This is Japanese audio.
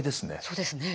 そうですね。